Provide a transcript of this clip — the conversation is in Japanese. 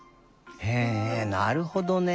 へえなるほどね。